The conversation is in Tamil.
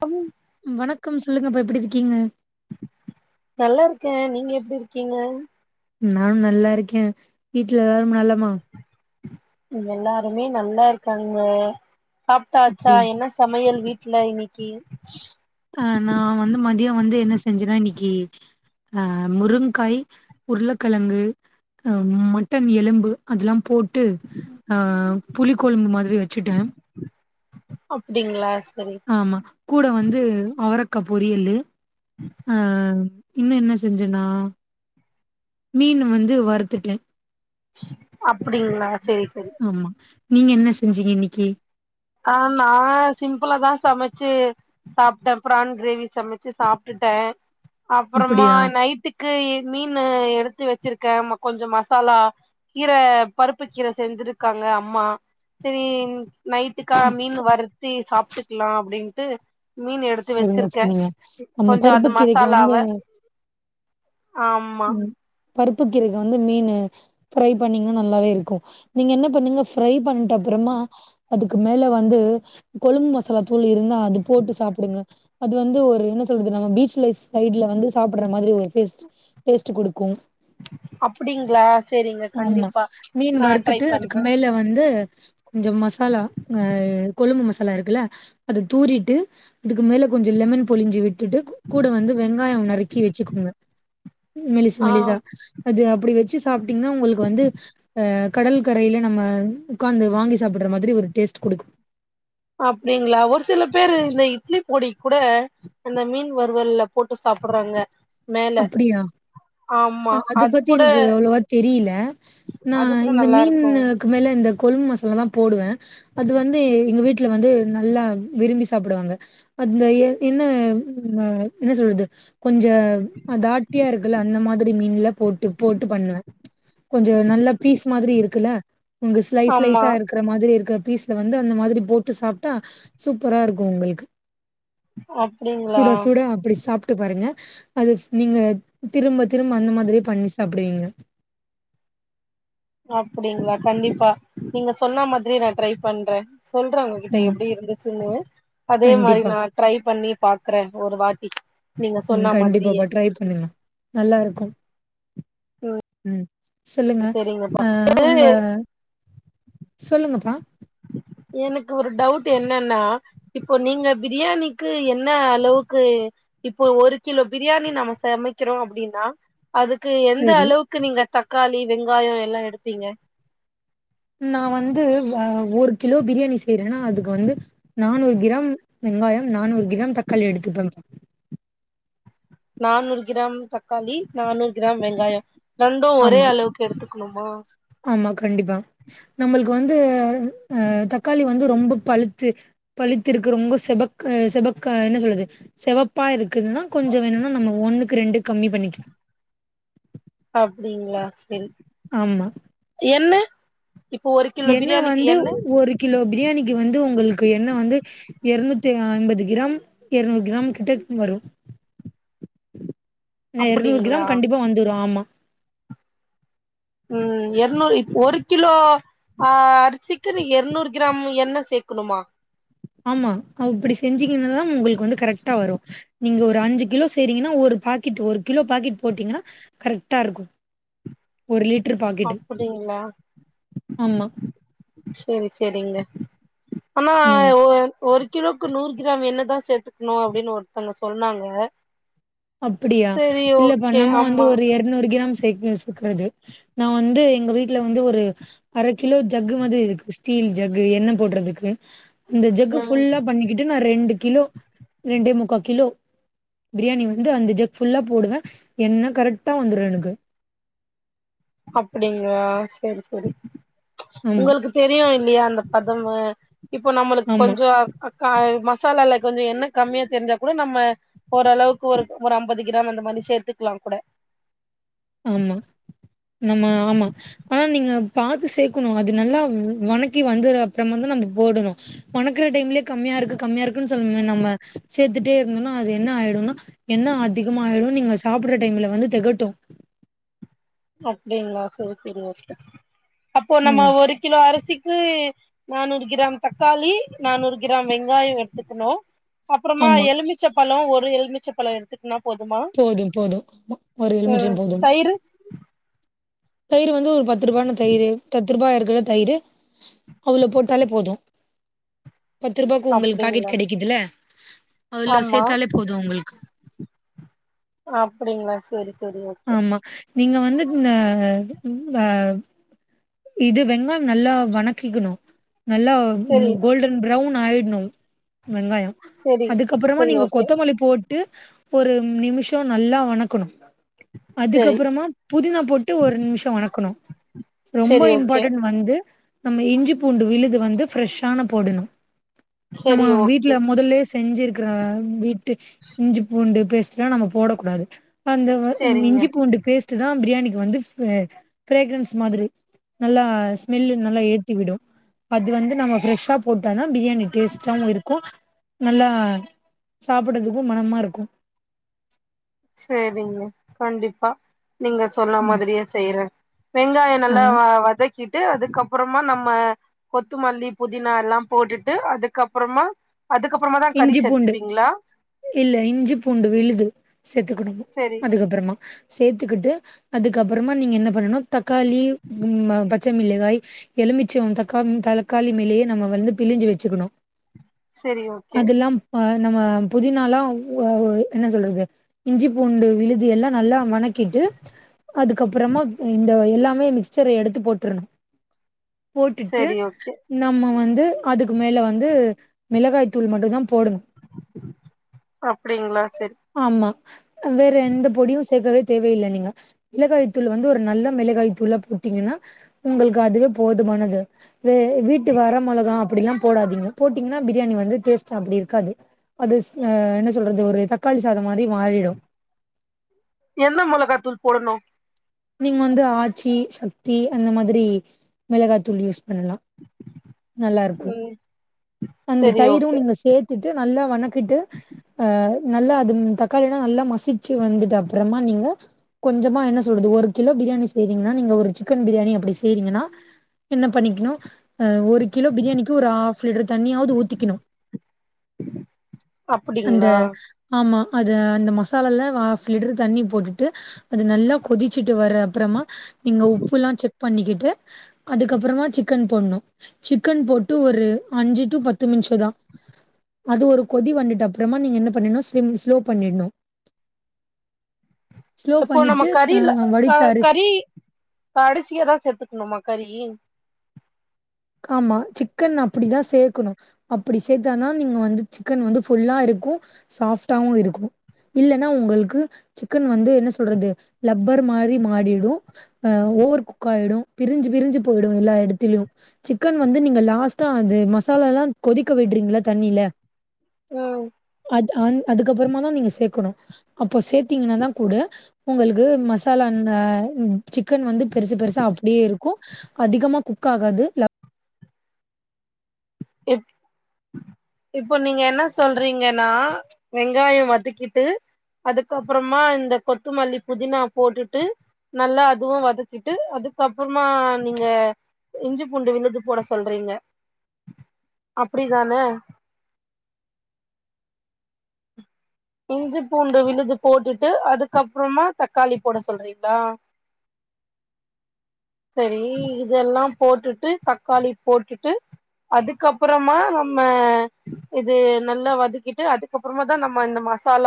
அ வணக்கம் சொல்லுங்கப்பா எப்டி இருக்கிங்க நல்லாருக்கே நீங்க எப்டி இருக்கிங்க நானு நல்லா இருக்கே வீட்ல எல்லாரும் நலமா எல்லாருமே நல்லா இருக்காங்க சாப்ட்டாச்சா எப்டி என்ன சமையல் வீட் ல இன்னிக்கீ அ நா வந்து மதியொ வந்து என்ன செஞ்சனா இன்னிக்கீ அ முருங்காய் உருளக்கிழங்கு அ மட்டன் எலும்பு அதெல்லா போட்டு ஆ புளி கொழும்பு மாதிரி வச்சுட்ட அப்டிங்களா சரி ஆமா கூட வந்து அவரக்கா பொரியலு அ இன்னு என்ன செஞ்சனா மீனு வந்து வறுத்துட்ட அப்படிங்களா சேரி சேரி ஆமா நீங்க என்ன செஞ்சீங்க இன்னக்கி ஆ நா சிம்பிளா தா சமச்சு சாப்ட்ட பிரான் கிரேவி சமச்சு சாப்ட்டுட்ட அப்புறமா அப்டியா நைட்டுக் கு மீனு எடுத்து வச்சிருக்க கொஞ்சோ மசாலா கீர பருப்புக் கீர செஞ்சிருக்காங்க அம்மா செரி நைட் ட்டுக்கா மீன் வறுத்தி சாப்ட்டுக்கலா அப்டின்ட்டு மீன் எடுத்து செரிங்க வச்சிருக்க செரிங்க நம்ம கொஞ்சோ பருப்பு அது கீரைக்கு வந்து மசாலாவ ஆமா ம் பருப்பு கீரேக்கு வந்து மீனு ஃப்ரை பண்ணீங்கன்னா நல்லாவே இருக்கு நீங்க என்ன பண்ணுங்க ஃப்ரை பண்ட்ட அப்புறமா அதுக்கு மேல வந்து கொழும்பு மசாலாத் தூள் இருந்தா அது போட்டு சாப்புடுங்க அது வந்து ஒரு என்ன சொல்றது நம்ம பீச்லஸ் சைடு்ல வந்து சாப்படுற மாரி ஒரு டேஸ்ட் டேஸ்ட்டு குடுக்கு அப்டிங்களா சேரிங்க ஆமா. கண்டிப்பா மீன் நா ட்ரை வறுத்துட்டு பண்ற அதுக்கு மேல வந்து கொஞ்சோ மசாலா அ கொழும்பு மசாலா இருக்குல்ல அதத் தூறிட்டு அதுக்கு மேல கொஞ்சோ லெமன் பொழிஞ்சு விட்டுட்டு கூட வந்து வெங்காயோ நறுக்கி வச்சுக்கோங்க மெலிசு ஆ மெலிசா அது அப்டி வச்சு சாப்ட்டீங்கன்னா உங்களுக்கு வந்து அ கடல் கரையில நம்ம உக்காந்து வாங்கி சாப்டுற மாரி ஒரு டேஸ்ட்டு கொடுக்கு அப்டிங்களா ஒரு சில பேரு இந்த இட்லி பொடிக் கூட அந்த மீன் வருவல்ல போட்டு சாப்படுறாங்க அப்டியா அ அது பத்தி எனக்கு அவ்ளோவா தெரியல நா அது கூட இந்த நல்லா இருக்கு மீன்னு க்கு மேல இந்த கொழும்பு மசாலா தா போடுவ அது வந்து எங்க வீட்ல வந்து நல்லா விரும்பி சாப்டுவாங்க அந்த இயர் என்ன அ என்ன சொல்றது கொஞ்ச அ தாட்டியா இருக்குல்ல அந்த மாதிரி மீன்ல போட்டு போட்டு பண்ணுவ கொஞ்சோ நல்ல பீஸ் மாரி இருக்குல்ல உங்க ஸ்லைஸ் ஆமா ஸ்லைஸா இருக் கிற மாரி இருக்க பீஸ்ல வந்து அந்த மாதிரி போட்டு சாப்ட்டா சூப்பரா இருக்கு உங்களுக்கு சுட அப்டிங்களா சுட அப்டி சாப்ட் ட்டு பாருங்க அது நீங்க திரும்ப திரும்ப அந்த மாரியே பண்ணி சாப்புடுவீங்க அப்பிடிங்களா கண்டிப்பா நீங்க சொன்ன மாதிரி நா ட்ரை பண்ற சொல்ற உங் கிட்ட ம். எப்பிடி இருந்துச்சுன்னு அதே மாரி கண்டிப்பா. நா ட்ரை பண்ணி பாக்குற ஒரு வாட்டி நீங்க ம் சொன்ன மாதிரியே கண்டிப்பாப்பா ட்ரை பண்ணுங்க நல்லா இருக்கு ம் சொல்லுங்க சேரிங்கப்பா அ உங்க சொல்லுங்கப்பா எனக்கு ஒரு டவுட்டு என்னென்னா இப்போ நீங்க பிரியாணிக்கு என்ன அளவுக்கு இப்போ ஒரு கிலோ பிரியாணி நம்ம சமக்கிறோ அப்டின்னா அதுக்கு எந்த சரி. அளவுக்கு நீங்க தக்காளி வெங்காயோ எல்லா எடுப்பீங்க நா வந்து வ ஒரு கிலோ பிரியாணி செய்றேனா அதுக்கு வந்து நானூறு கிராம் வெங்காயம் நானூறு கிராம் தக்காளி எடுத்துப்பே நானூறு கிராம் தக்காளி நானூறு கிராம் வெங்காயோ ரெண்டு ஒரே ஆமா, அளவுக்கு எடுத்துக்குணுமா ஆமா கண்டிப்பா நம்மளுக்கு வந்து அ தக்காளி வந்து ரொம்ப பழுத்து பழுத்திருக்கு ரொம்ப செபக் செபக்கா என்ன சொல்றது செவப்பா இருக்குதுனா கொஞ்சோ வேணுனா நம்ம ஒன்னுக்கு ரெண்டு கம்மி பண்ணிக்கலா அப்டிங்ளா சேரி ஆமா எண்ணெ இப்போ ஒரு கிலோ எண்ணெ பிரியாணிக்கு வந்து எண்ண ஒரு கிலோ பிரியாணிக்கு வந்து உங்களுக்கு எண்ண வந்து எரநூத்தி அ ஐம்பது கிராம் எரநூறு கிராம் கிட்ட வரு எர்நூற் அப்டிங்களா க்ராம் கண்டிப்பா வந்துரு ஆமா ம் எர்நூறு இப் ஒரு கிலோ ஆ அரிசிக்குனு எர்நூறு க்ராம் எண்ண சேக்குணுமா ஆமா அப்டி செஞ்சீங்கனாதா உங்குளுக்கு வந்து கரெக்ட்டா வரு நீங்க ஒரு அஞ்சு கிலோ செய்றீங்கனா ஒரு பாக்கட் ஒரு கிலோ பாக்கட் போட்டீங்கனா கரெக்ட்டாருக்கு ஒரு லிட்ரு பாக்கெட்டு அப்டிங்களா ஆமா செரி செரிங்க ஆனா ம் ஒ ஒரு கிலோக்கு நூறு க்ராம் எண்ணதா சேத்துக்ணு அப்டின்னு ஒருத்தங்க சொன்னாங்க அப்புடியா செரி இல்ல இப்ப ஓகே நம்ம வந்து ஆமா ஒரு எர்நூறு கிராம் சேக் சேக்குறது நா வந்து எங்க வீட்ல வந்து ஒரு அர கிலோ ஜக்கு மாதிரி இருக்கு ஸ்டீல் ஜக்கு எண்ண போட்றதுக்கு இந்த ஜக்கு ம் ஃபுல்லா பண்ணிக்கிட்டு நா ரெண்டு கிலோ ரெண்டே முக்கா கிலோ பிரியாணி வ வந்து அந்த ஜக் ஃபுல்லா போடுவே எண்ண கரெக்டா வந்துரு எனக்கு அப்டிங்களா சேரி சேரி ஆமா உங்களுக்கு தெரியு இல்லியா அந்த பதமு இப்போ நம்மளுக் ஆமா கொஞ்சோ அக்கா மசாலால கொஞ்சோ எண்ண கம்மியா தெரிஞ்சா கூட நம்ம ஓரளவுக்கு ஒரு ஒரு அம்பது கிராம் அந்த மாரி சேத்துக்கலாகூட ஆமா நம்ம ஆமா ஆனா நீங்க பாத்து சேக்கணு அது நல்லா வணக்கி வந்தது அப்புறமாதா நம்ம போடணு வணக்கற டைம்லயே கம்மியா இருக்கு கம்மியா இருக்குன் சொல்ல நம்ம சேத்துட்டே இருந்தோனா அது என்ன ஆய்டுனா எண்ண அதிகமாய்ரும் நீங்க சாப்பட்ற டைம்ல வந்து தெகட்டு அப்டிங்ளா செரி செரி ஓகே அப்போ நம்ம ம். ஒரு கிலோ அரி சிக்கு நானூறு கிராம் தக்காளி நானூறு கிராம் வெங்காயோ எடுத்துக்கணு அப்புறமா ஆமா. எலுமிச்சப்பழோ ஒரு எலுமிச்சப்பழோ எடுத்து னா போதுமா போதும், போதும். ஆமா. ஒரு அ எலுமிச்சம் தய்ரு தயிரு வந்து ஒரு பத்து ரூபான தயிரு பத்து ரூபா இருக்கற தயிரு அவ்ளோ போட்டாலே போது பத்து ரூபாக்கு உங்களுக் பேக்கட் அப்டிங்களா கெடைக்குதுல அவ்ளோ ஆமா சேத்தாலே போது உங்களுக்கு அப்டிங்ளா சேரி சேரி ஓகே ஆமா. நீங்க வந்து இந்த ம் ப இது வெங்காயம் நல்லா வணக்கிக்கணு நல்லா ம் செரி கோல்டன் ப்ரௌன் ஆயிட்னு வெங்காயோ செரி அதுக்கப்பறமா செரி நீங்க ஓகே கொத்தமல்லி போட் ட்டு ஒரு நிமிஷோ நல்லா வணக்கணு செரி அதுக்கப்பறமா புதினா போட்டு ஒரு நிமிஷோ வணக்கணு ரொம்ப செரி ஓகே இம்பார்ட்டன்ட் வந்து நம்ம இஞ்சி பூண்டு விழுது வந்து ஃப்ரெஷ்ஷான போடணு நம்ம செரி வீட்ல ஓகே மொதல்லே ஸ் செஞ்சிருக்றா வீட்டு இஞ்சி பூண்டு பேஸ்ட் லா நம்ம போடக்கூடாது அந்த வ ம் செரிங்க இஞ்சி பூண்டு பேஸ்ட்டு தா பிரியாணிக்கு வந்து ஃப் அ ஃப்ரேக்ரன்ஸ் மாதிரி நல்லா அ ஸ்மெல்லு நல்லா ஏத்தி விடு அது வந்து நம்ம ஃப்ரெஷ்ஷா போட்டாதா பிரியாணி டேஸ்டாவு இருக்கூ நல்லா சாப்புடதுக்கூ மனமா இருக்கூ சேரிங்க கண்டிப்பா நீங்க சொன்ன ம் மாதிரியே செய்றே வெங்காய ஆ நல்லா வ வதக்கிட்டு அதுக்கப்பறமா நம்ம கொத்துமல்லி புதினாலா போட்டுட்டு அதுக்கப்பறமா அதுக்கப்புறமா தா கறி இஞ்சி பூண்டு சேத்துபீங்ளா இல்ல இஞ்சி பூண்டு விழுது சேத்துக்குடணு செரி அதுகப்பறமா சேத்துக்கிட்டு அதுக்கப்பறமா நீங்க என்ன பண்ணனு தக்காளி ம் ம ப பச்ச மிளகாய் எலுமிச்சோ தக்காம் தளக்காளி மேலே நம்ம வந்து பிழிஞ்சு வச்சுக்குணு செரி ஓக் அதெல்லாம் அ நம்ம புதினாளா என்ன சொல்றது இஞ்சி பூண்டு விழுது எல்லா நல்லா வணக் கிட்டு அதுக்கப்பறமா இந்த எல்லாமே மிக்சர் எடுத்து போட்டுருணு போட்டுட்டு செரி ஓகே நம்ம வந்து அதுக்கு மேல வந்து மிளகாய் தூள் மட்டுந்தா போடணு அப்டிங்ளா செரி ஆமா வேற எந்த பொடியு சேக்கவே தேவையில்ல நீங்க மிளகாய் தூள் வந்து ஒரு நல்ல மிளகாய் தூளா போட்டீங்கன்னா உங்களுக்கு அதுவே போதுமானது வே வீட்டு வர மொளகா அப்டில்லாம் போடாதீங்க போட்டீங்கன்னா பிரியாணி வந்து டேஸ்ட் அப்டி இருக்காது அது அ என்ன சொல்றது ஒரு தக்காளி சாதம் மாறி மாறிடு எந்த மொளகாத்தூள் போடணு நீங்க வந்து ஆச்சி சக்தி அந்த மாதிரி மிளகாத்தூள் யூஸ் பண்ணலா நல்லா இருக்கூ ம் அந்த செரி தயிரூ ஓகே நீங்க சேத்துட்டு நல்லா வணக்கிட்டு அ நல்லா அதும் தக்காளில்லா நல்லா மசிச்சு வந்துட்டு அப்பறமா நீங்க கொஞ்சமா என்ன சொல்றது ஒரு கிலோ பிரியாணி செய்றீங்கன்னா நீங்க ஒரு சிக்கன் பிரியாணி அப்டி செய்றீங்கன்னா என்ன பண்ணிக்ணு அ ஒரு கிலோ பிரியாணிக்கு ஒரு ஆஃப் லிட்டர் தண்ணியாவ்து ஊத்திக்கிணு அந்த அப்டிங்களா ஆமா அது அந்த மசாலல்ல ஆஃப் லிட்ரு தண்ணி போட்டுட்டு அது நல்லா கொதிச்சிட்டு வர்ற அப்புறமா நீங்க உப்புலா செக் பண்ணிகிட்டு அதுக்கப்புறமா சிக்கன் போட்ணு சிக்கன் போட்டு ஒரு அஞ்சு டு பத்து மின்ஷதா அது ஒரு கொதி வன்டுட்டு அப்றமா நீங்க என்ன பண்ணனு ஸ்லிம் ஸ்லோ பண்ணிட்ணு ஸ்லோ இப்போ நம்ம பண்ணிட்டு கறில அ க வடிச்ச அரிசி கறி கடைசியா தா சேத்துக்குணுமா கறி க் ஆமா சிக்கன் அப்பிடிதா சேக்குணு அப்புடி சேத்தாதா நீங்க வந்து சிக்கன் வந்து ஃபுல்லா இருக்கூ சாஃப்ட்டாவு இருக்கூ இல்லன்னா உங்களுக்கு சிக்கன் வந்து என்ன சொல்றது லப்பர் மாரி மாடிடு ஓவர் குக் ஆயிடு பிரிஞ்சு பிரிஞ்சு போயிடு எல்லா எடத்துலயு சிக்கன் வந்து நீங்க லாஸ்ட்டா அது மசாலா லாங் கொதிக்க விடுறீங்கள தண்ணில ம் அது அந் அதுக்கப்பறமா தான் நீங்க சேக்கணு அப்போ சேத்தீங்கன்னாதா கூட உங்களுக்கு மசாலா ன்ன சிக்கன் வந்து பெருசு பெருசா அப்டியே இருக்கூ அதிகமா குக் ஆகாது எப் இப்போ நீங்க என்ன சொல்றீங்கன்னா வெங்காயோ வதக்கிட்டு அதுக்கப்றோமா இந்த கொத்துமல்லி புதினா போட்டுட்டு நல்லா அதுவு வதக்கிட்டு அதுக்கப்றோமா நீங்க இஞ்சி பூண்டு விழுது போட சொல்றீங்க அப்டிதான இஞ்சி பூண்டு விழுது போட்டுட்டு அதுக்கப்புறமா தக்காளி போட சொல்றீங்களா சேரி இதெல்லா போட்டுட்டு தக்காளி போட்டுட்டு அதுக்கப்பறமா நம்ம இது நல்லா வதக்கிட்டு அதுக்கப்பறமா தா நம்ம இந்த மசாலா